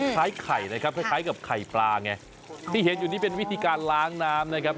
คล้ายไข่นะครับคล้ายกับไข่ปลาไงที่เห็นอยู่นี่เป็นวิธีการล้างน้ำนะครับ